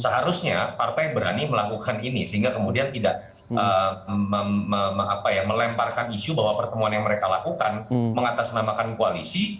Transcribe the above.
karena partai berani melakukan ini sehingga kemudian tidak melemparkan isu bahwa pertemuan yang mereka lakukan mengatasnamakan koalisi